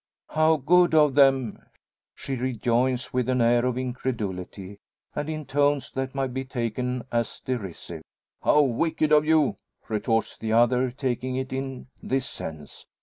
"How good of them!" she rejoins, with an air of incredulity, and in tones that might be taken as derisive. "How wicked of you!" retorts the other, taking it in this sense.